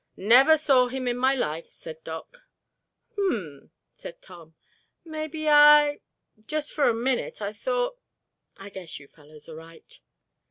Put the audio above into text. "Never saw him in my life," said Doc. "Hmn," said Tom. "Maybe I——just for a minute I thought——I guess you fellows are right."